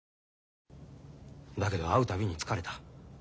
だけど会う度に疲れた。